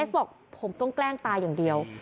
บอกผมต้องแกล้งตายอย่างเดียว